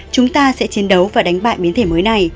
chúng ta sẽ chiến đấu và đánh bại biến thể mới này